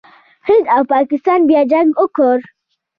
هند او پاکستان بیا جنګ وکړ.